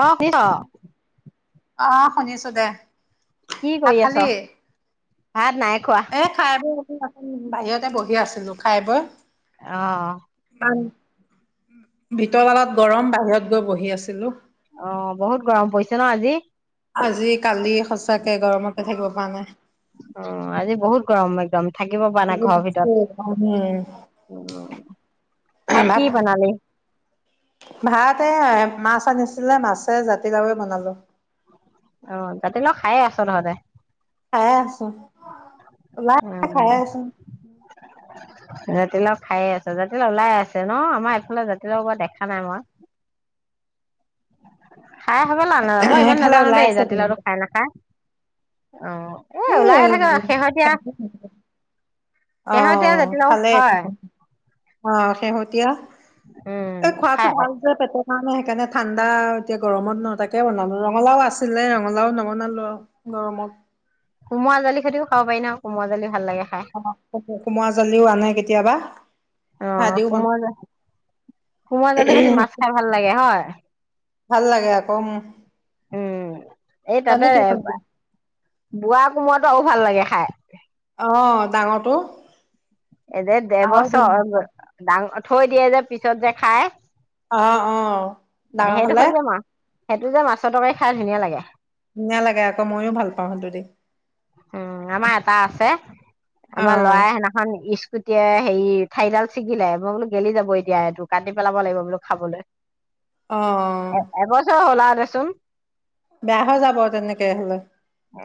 অঁ শুনিছ? অঁ' শুনিছো দে। কি ভাত কৰি আছ? খালি? ভাত নাই খোৱা। এ খাই বৈ বাহিৰতে বহি আছিলো খাই বৈ। অঁ' ভিতৰদালত গৰম বাহিৰত গৈ বহি আছিলো। অঁ' বহুত গৰম পৰিছে ন আজি। আজি কালি সচাকে গৰমতে থাকিব পৰা নাই। অঁ' আজি বহুত গৰম একদম। থাকিব পৰা নাই ঘৰ উম, ভিতৰত। অঁ' ভাত কি বনালি? ভাতে এ মাছ আনিছিলে মাছে জাতিলাউৰে বনালো। অঁ' জাতি লাও খায়ে আছ তহতে। খাই আছো। ওলাই খাই উম' আছো। জাতিলাও খায়ে আছে জাতিলা ওলাই আছে ন আমাৰ এইফালে জাতিলাও মই দেখা নাই মই। খাই হবলা ন মই ইমান নাজা- সেইফালে ওলাই আছে কোনোবা। নাখায় অঁ, এ এই ওলায়ে থাকে শেহতীয়া। শেহতিয়া জতি লাও হয়। অঁ' শেহতীয়া উম এই খাই খোৱাটো ভাল। এ পেটৰ কাৰণে সেইকাৰণে ঠাণ্ডা আৰু এতিয়া গৰমত নহ তাকে বনালো ৰঙালাও আছিলে ৰঙালাও নবনালো আও। গৰমত। কোমৰা জালি খেতিও খাব পাৰি ন কোমোৱা জালি ভাল লাগে খায়। কোমৰা জালিও আনে কেতিয়াবা। অঁ' ভাদিও বন কোমোৱা কোমোৱা জালি সেতি মাছ খাই ভাল লাগে হয়। ভাল লাগে আক মো। উম' এই তাতে বনালি বোৱা কোমোৱাটো আৰু ভাল লাগে খাই। অঁ' ডাঙৰটো। এই যে আৰু দেৰবছ ধুনীয়া হয় ডাঙৰ থৈ দিয়ে যে পিছত যে খাই। অ অ ডাঙৰ সেইটো হলে হ যে মাছ সেইটো যে মাছৰ তৰকাৰী খাই ধুনীয়া লাগে। ধুনীয়া লাগে আক, ময়ো ভাল পাওঁ সেটো দি। উম' আমা এটা আছে অ আমাৰ লৰাই সেনা- এখন স্কুটিয়ে হেৰি ঠাইডাল ছিগিলে মই বোলো গেলি যাব এতিয়া এইটো কাটি পেলাব লাগিব বোলো খাবলৈ। অ এ এবছৰ হ'ল আৰু দেচোন। বেয়া হৈ যাব তেনেকে হলে।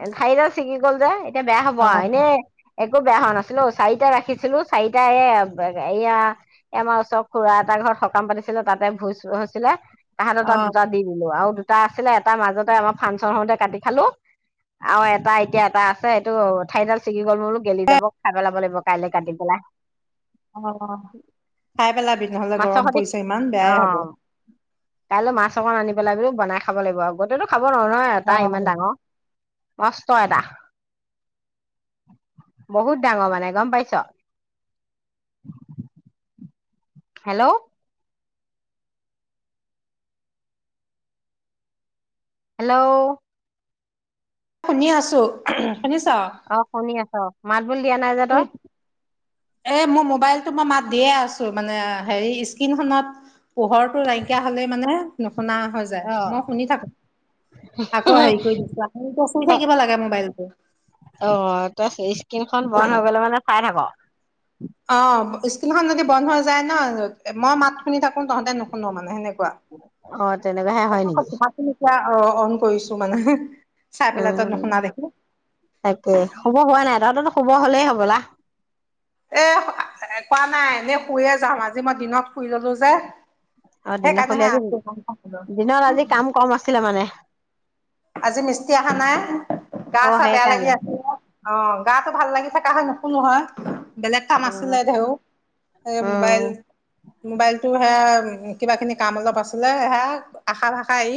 এ থাৰি ডাল ছিগি গ'ল যে এতিয়া বেয়া হব অ আও এনেই- একো বেয়া হোৱা নাছিল ও চাৰিটা ৰাখিছিলো চাৰিটা এ বে এয়া- এই আমাৰ ওচৰ খুৰা এটা ঘৰত সকাম পাতিছিলে তাতে ভুই হৈছিলে তাহাঁতৰ অ তাত দুটাত- দি দিলো আৰু দুটা আছিলে এটাৰ মাজতে আমাৰ ফাংচন হওঁতে কাটি খালো আৰু এটা এত- এতিয়া এটা আছে সেইটো ঠাইডাল ছিগি গ'ল ময় বোলো গেলি যাব খাই পেলাব লাগিব কাইলে কাটি পেলাই। অঁ' অঁ' খাই পেলাবি নহ'লে মাছৰ গৰম সতি পৰিছে ইমান বেয়াই হ'ব। কাইলও মাছ অকণ আনি পেলাই বোলো বনাই খাব লাগিব। গতেটো- খাব নোৱাৰোঁ এটা অ ইমান ডাঙৰ মচ ছয়টা, বহুত ডাঙৰ মানে, গম পাইছ'। হেল্ল'। হেল্ল'। শুনি আছোঁ, শুনিছ'? অ', শুনি আছ' মাত বোল দিয়া নাই যে তই। এ মোৰ মোবাইলটো মই মাত দিয়ে আছোঁ মানে হেৰি স্কিণখনত পোহৰটো নাইকিয়া হ'লে মানে নুশুনা হৈ যায়, মই শুনি থাকোঁ। আকৌ হেৰি কৰি দিছোঁ আপু চুই থাকিব লাগে মোবাইলটো। অ', তই এই স্কিনখন বন্ধ হৈ গ'লে মানে চাই থাক'। অ', স্কিলখন যদি বন্ধ হৈ যায় ন' মই মাত শুনি থাকোঁ, তহঁতে নুশুনো মানে সেনেকুৱা অ তেনেকুৱাহে হয় [unintelligible] নেকি কম এতিয়া অহ, অন কৰিছোঁ মানে। চাই পেলাই তই উম নশুনা দেখো। তাকে শুব হোৱা নাই, তহঁতৰটো শুব হ'লেই হ'বলা। এহ, একোৱা নাই এনেই শুইয়ে যাম আজি মই দিনত শুই ল'লো যে। অ সেইকাৰণে দিনৰখলি হে আজি দিনত আজি [unintelligible] কাম কম আছিলে মানে। আজি মিস্তি অহা নাই, গা অ চা বেয়া লাগি সেইকাৰণে আছিলে। অ', গাটো ভাল লাগি থাকা হয় নুশুলো হয়। বেলেগ কাম উম আছিলে দেৰু এই উম মোবাইল মোবাইলটো সেয়া কিবাখিনি কাম অলপ আছিলে সেয়া আশা ভাষা ই।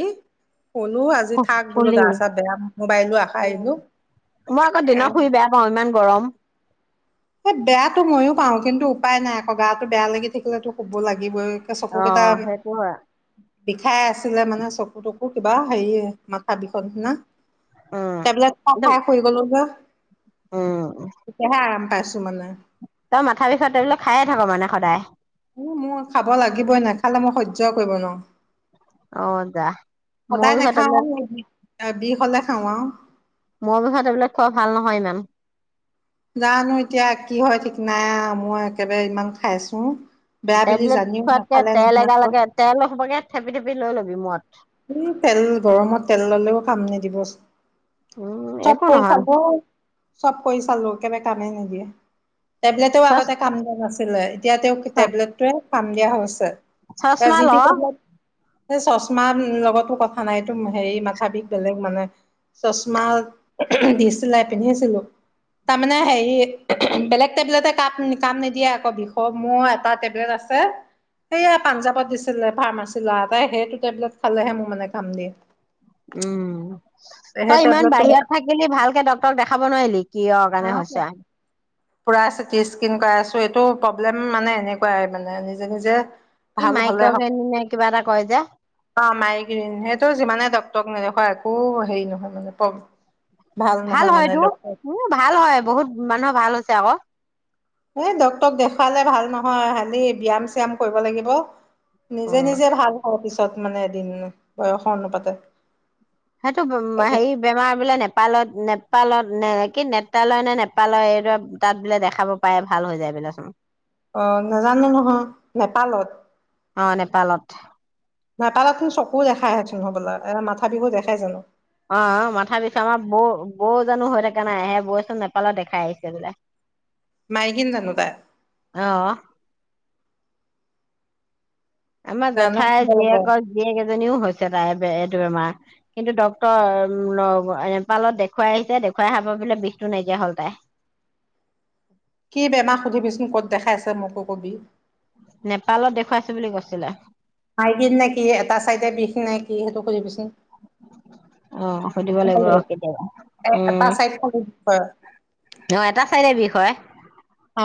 ক'লো আজি থাক বোলো শুলি গা চা বেয়া মোবাইলো আশা আহিলো। অ', ইমান গৰম। এই বেয়াটো ময়ো পাওঁ কিন্তু উপায় নাই আকৌ গাটো বেয়া লাগি থাকিলেটো ক'ব লাগিবই। এ অ চকুকেইটা সেইটো হয় বিষাই আছিলে মানে চকু তকু কিবা হেৰি মাথা বিষণ দিনা। উম টেবলেট খাই, একদম খাই শুই গ'লো যে উম তেতিয়াহে আৰাম পাইছোঁ মানে। তই মাথা বিষৰ টেবলেট খায়ে থাক' মানে সদায়। উম, মোৰ খাব লাগিবই নাখালে মই সহ্যই কৰিব নোৱাৰোঁ। অ যা মূৰৰ সদায় বিষৰ টেবলেট নেখাওঁ আৰু বিষ হ'লে খাওঁ আৰু। মূৰৰ বিষৰ টেবলেট খোৱা ভাল নহয় ইমান। জানো এতিয়া কি হয় ঠিক নাই, মই একেবাৰে ইমান খাইছোঁ। টেবলেট খোৱাতকে তেল এগলা আকৌ, লগে তেল হ'বগে থেপি থেপি লৈ ল'বি মূৰত। উম, তেল গৰমত তেল ল'লেও কাম নিদিবচোন। উম চব একো কৰি নহয় চালো, চব কৰি চালো কেবে কামে নিদিয়ে। টেবলেটেও চচ আগতে কাম দিয়া নাছিলে, এতিয়া তেওঁ টেবলেটটোৱে কাম দিয়া হৈছে। এ চচমা যি ল তি টেবলেট, এ চশমা লগতো কথা নাই, এইটো হেৰি মাথা বিষ বেলেগ মানে। চশমা দিছিলাই, পিন্ধিছিলোঁ, তাৰমানে হেৰি বেলেগ টেবলেটে কাপ নি কাম নিদিয়ে আকৌ বিষৰ, মোৰ এটা টেবলেট আছে। সেয়া পাঞ্জাৱত দিছিলে ফাৰ্মাচী ল'ৰা এটাই, সেইটো টেবলেট খালেহে মোৰ মানে কাম দিয়ে। উম, সেই তই ইমান টেবলেটটো বাহিৰত থাকিলি ভালকে ডক্টৰক দেখাব নোৱাৰিলি। কিহৰ কাৰণে হৈছে? পুৰা চিটি স্কিন কৰাই আছোঁ এইটো প্ৰব্লেম মানে এনেকুৱাই মানে নিজে নিজে কি ভাল হ'লে হ'ব মাইক'গেন নে কিবা এটা কয় যে। অ মাইগ্ৰিন সেইটো যিমানে টকটক নেদেখুৱা একো হেৰি নহয় মানে ভাল নহয় মানে হয়তো ডক্টৰ উম ভাল হয় বহুত মানুহৰ ভাল হৈছে আকৌ। এই ডক্টৰক দেখুৱালে ভাল নহয় খালি ব্যায়াম চায়াম কৰিব লাগিব। নিজে উম নিজে ভাল হয় পিছত মানে এদিন বয়সৰ অনুপাতে। সেইটো বুম মাহ হেৰি বেমাৰ বোলে নেপালত নেপালত নে কি নেপ্ৰালয় নে নেপালৰ এই দাত বোলে দেখাব পায় ভাল হৈ যায় বোলে চোন। অ নাজানো নহয় নেপালত? অ নেপালত। নেপালত তোন চকু দেখাই হেঁন হবলা এটা মাথা বিষ দেখাই জানো? অ মাথা পিছ আমাৰ বৌ বৌ জানো হৈ থাককা নাই' সে বৌচোন নেপালও দেখাই আহিছে বোলে। [inaudible] মাইগিন জনুদা অ' আমাৰ জানো জেঠাই সুধিব লাগিব জীয়েকৰ জীয়েক এজনীও হৈছে তাই এইটো আমাৰ কিন্তু ডক্টৰ নেপালত দেখুৱাই আহিছে, দেখুৱাই আহাপা বোলে বিষটো নাইকিয়া হ'ল তাই। কি বেমাৰ সুধিবিচোন ক'ত দেখাই আছে মোকো কবি। নেপালত দেখুৱাইছে বুলি কৈছিলে। মাইকিন নে কি এটা চাইডে বিষ নে কি সেইটো কইবিচোন। অ সুধিব ভ লাগিব ৰ কেতিয়াবা উম এটা চাইট [unintelligible] হয়। অ এটা চাইডে বিষ হয়। অ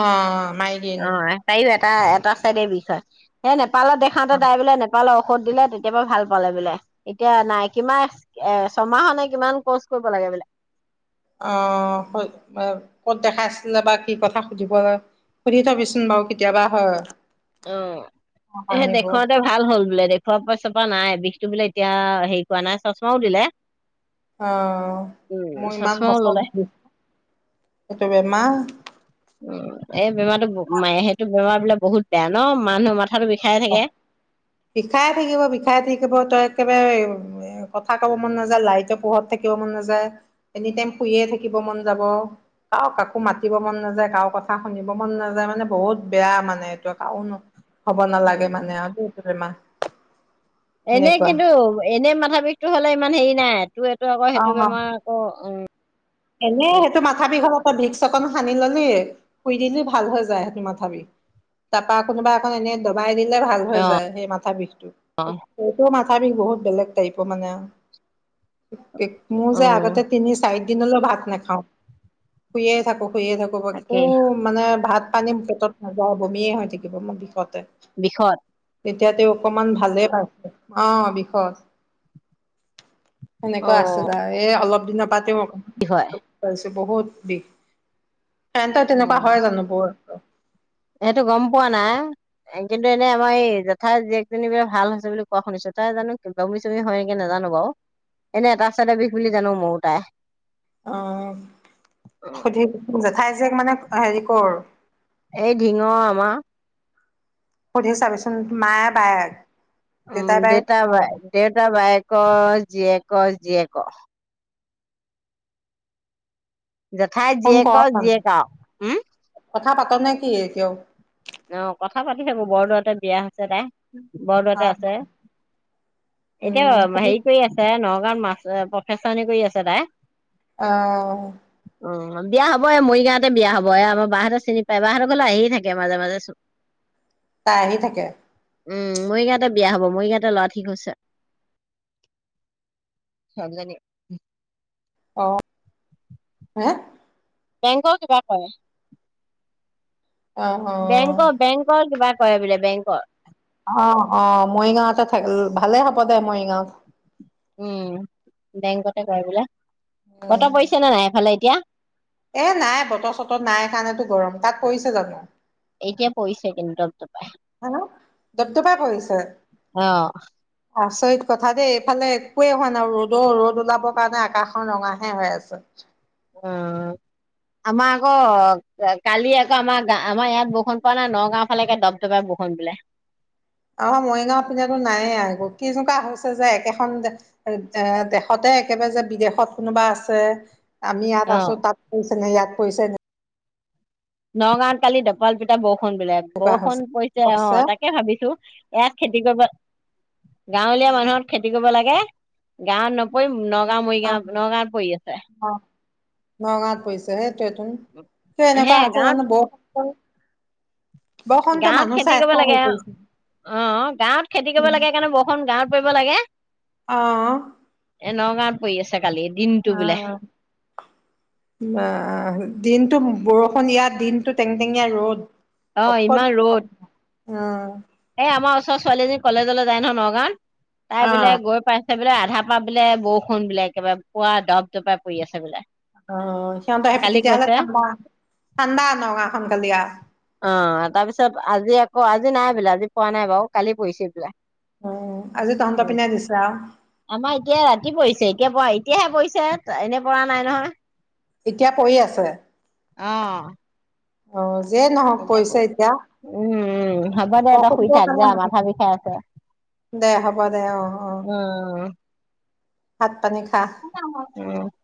মাই অ তাইও এটা এটা চাইডৰ বিষ হয় এই নেপালত দেখাওঁতে অ তাই বোলে পালে ঔষধ দিলে তেতিয়াপা ভাল পালে বোলে এতিয়া নাইকি মাই এ ছমাহ নে কিমান কচ কৰিব লাগে বোলে। আহ ক'ত দেখা আছিলে বা কি কথা সুধিব [unintelligible] থাবিচোন বাৰু কেতিয়াবা হয়। অ এ আহিব অ দেখতে ভাল হ'ল বোলে দেখুুৱা পাচপা নাই বিষটো বোলে এতিয়া হেৰি কৰাৱা নাই চশমাও দিলে। অ উম মই ইমান চশমাও ললে বছৰছ এইটো বেমা উ এই বেমাৰটো মায়ে সেইটো বেমাৰ বিলাক বহুত বেয়া ন মানুহৰ মাথা বিষায়ে থাকে। বিষাই থাকিব বিষাই থাকিব তই একেবাৰে এ কথা কব মন নাযায়, লাইটো পোহৰত থাকিব মন নাযায়, এনি টাইম শুইয়ে থাকিব মন যাব, ক কাকো মাতিব মন নাযায়, কাৰো কথা শুনিব মন নাযায় মানে বহুত বেয়া মানে এইটো কাৰন হ'ব নালাগে উম মানে আৰু দেই এইটো বেমাহ। এনেই কিন্তু এনেই মাথা বিষটো হলে ইমান হেৰি নাই তোৰ এইটো আকৌ সেইটো বেমাৰ আকৌ উ এনেই সেইটো মাথা বিষৰ ওপত ভিক্স অকণ সানি ললে শুই দিলি ভাল হৈ যায় সেইটো মাথা বিষ। তাৰপা কোনোবা এখন এনে দবাই দিলে ভাল হৈ অ যায় সেই মাথা বিষটো। সটো মাথা বিষ বহুত বেলেগ টাইপৰ মানে মোৰ অ যে আগতে তিনি চাৰি দিনলৈ ভাত নাখাওঁ শুেয়ে থাকো শুেয়ে থাকো খু তাকেই মানে ভাত-পানী পেটত নাযাই বমিয়ে হৈ থাকিব মোৰ বিষতে। বিষত? তেতিয়া তেওঁ অকমান ভালে পাইছে অ', বিষত। অ সেনেকুৱা আছিল আৰু এ অলপ দিনৰ পৰাতেওক কি হয় পাইছো বহুত বিষ, কাৰেণ্টত অ তেনেকুৱা হয় জানো বৰ। সেইটো গম পোৱা নাই। কিন্তু, এনে আমাৰ এই জেঠাই জীয়েকজনী বোলে ভাল হৈছে বুলি কোৱা শুনিছো, তাই জানো বমি-চমি হয় নেকী নাজানো বাৰু, এনে এটা চাইডে বিষ বুলি জানো মইও তাই। অ', সুধি জেঠাই জীয়েক মানে হেৰি কৰ? এই ধিঙৰ আমাৰ। সুধি চাবিচোন, মায়ে বায়েক। উম, দেউতাই বায়েক দেউতা বাই, দেউতা বায়েকৰ জীয়েকৰ জীয়েকৰ। জেঠাই ফোন জীয়েকৰ কৰক, জীয়েক আও উম কথা পাত নেকি এতিয়াও? অ', কথা পাতি থাকো, বৰদোৱাতে বিয়া হৈছে তাই। অ বৰদোৱাতে আছে, এতিয়া উম হেৰি কৰি আছে। নগাঁৱত মাছ, প্ৰফেচাৰণি কৰি আছে তাই। অ'। অ', বিয়া হ'ব, এই মৰিগাঁৱতে বিয়া হ'ব, এ আমাৰ বাহহঁতে চিনি পায়, বাহঁতৰ ঘৰলে আহি থাকে মাজে, মাজে। [unintelligible] তাই আহি থাকে। উম, মৰিগাঁৱতে বিয়া হ'ব, মৰিগাঁৱতে ল'ৰা ঠিক হৈছে। ছোৱালীজনী। অ'। হে বেংকৰ কিবা কৰে, অ অ বেংকৰ, বেংকৰ কিবা কৰে বোলে বেংকৰ। অ', অ', মৰিগাঁওতে থাক ভালে হ'ব দে মৰিগাঁওত। উম, বেংকতে কৰে বোলে, উম বতৰ পৰিছে নে নাই এফালে এতিয়া? এ নাই বতৰ-চতৰ নাই কাৰণেতো গৰম, তাত পৰিছে জানো? এতিয়া পৰিছে কিন্তু, দপ-দপাই হা দপদপাই পৰিছে অ'। আচৰিত কথা দেই, এইফালে একোৱেই হোৱা নাই, ৰ'দৰ, ৰ'দ ওলাবৰ কাৰণে আকাশখন ৰঙাহে হৈ আছে। উম। আমাৰ আকৌ কালি, আকৌ আমাৰ গা আমাৰ ইয়াত বৰষুণ পোৱা নাই নগাঁও ফালে একে দপ দপাই বৰষুণ দিলে। আমাৰ মৰিগাঁও পিনে নাইয়ে একো, কেনেকোৱা হৈছে যে একেখন এ দেশতে একেবাৰে যে, বিদেশত কোনোবা আছে। আমি অ ইয়াত আছো, তাত পৰিছে নাই ইয়াত পৰিছে নাই। নগাঁৱত কালি দপাল পিতা বৰষুণ বোলে, এনেকুৱা হৈছে বৰষুণ পৰিছে আছে অ', তাকে ভাবিছো। ইয়াত খেতি কৰিব, গাঁৱলীয়া মানুহ খেতি কৰিব লাগে, গাঁৱত নক [unintelligible] নগাঁও, অ', মৰিগাঁও, নগাঁৱত পৰি আছে। অ', নগাঁৱত পৰিছে, সেইটোৱেইটোকিয় হে এনেকুৱা হৈছে গাঁৱত জানো বৰষুণ বৰষুণতো গাঁৱত মানুহ খেতি চাই কৰিব চাই হৈ লাগে পৰিছে অ', গাঁৱত খেতি কৰিব লাগে কাৰণে, বৰষুণ গাঁৱত পৰিব লাগে। অ'। এ নগাঁত পৰি আছে কালি, দিনটো বোলে। অ', দিনটো বৰষুণ ইয়াত, দিনটো টেং-টেঙীয়া ৰ'দ। অ [unintelligible] অ'। এই আমাৰ ওচৰ ছোৱালীজনী কলেজলৈ যায় নহয় নগাঁৱত, তাই অ বোলে গৈ পাই চে, বোলে আধা পা বোলে বৰষুণ বোলে, একেবাৰে পুৰা দপ-দপাই পৰি আছে বোলে। অ', সিহঁতৰ কালি তেতিয়াহ'লে কৈছে ঠাণ্ডা, ঠাণ্ডা নগাওঁ খন কালি আৰু। অ', তাৰপিছত আজি আকৌ আজি নাই বোলে। আজি পোৱা নাই বাও, কালি পৰিছে বোলে। উম, আজি তহঁতৰ উম পিনে দিছা? আমাৰ এতিয়া ৰাতি পৰিছে। এতিয়া পৰা এতিয়াহে পৰিছে, এনেই পৰা নাই নহয়। এতিয়া পৰি আছে। অহ যে নহওক পইছে এতিয়া। উম উম, হ'ব দে তই শুই বৰষুণটোৰ থাক যা। কাৰণে মাথা বিষাই আছে। দে হ'ব দে, অ অ, উম ভাত পানী খা। [unintelligible]